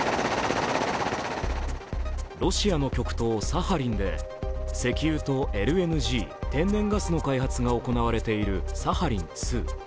ロシアの極東サハリンで石油とＬＮＧ＝天然ガスの開発が行われているサハリン２。